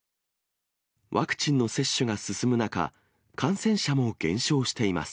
ワクチンの接種が進む中、感染者も減少しています。